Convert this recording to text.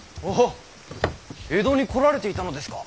江戸に来られていたのですか。